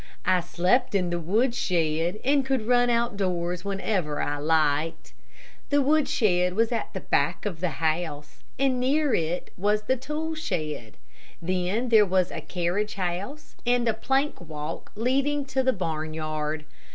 I slept in the woodshed, and could run outdoors whenever I liked. The woodshed was at the back of the house, and near it was the tool shed. Then there was a carriage house, and a plank walk leading to the barnyard.